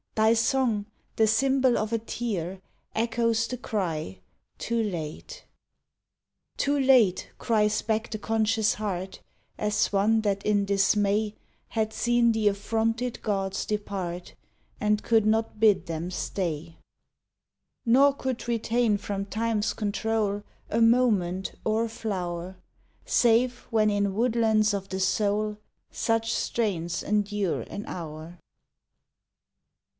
Thy song, the symbol of a tear, Echoes the cry "Too late!" 34 AN AUTUMN THRUSH Too late!" cries back the conscious heart, As one that in dismay Had seen the affronted gods depart And could not bid them stay; Nor could retain from Time s control A moment or a flow r, Save when in woodlands of the soul Such strains endure an hour.